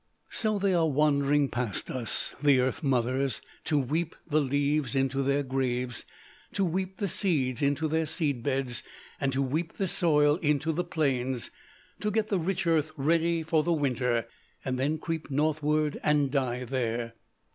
"So they are wandering past us, the air mothers, to weep the leaves into their graves: to weep the seeds into their seed beds, and to weep the soil into the plains: to get the rich earth ready for the winter, and then creep northward and die there.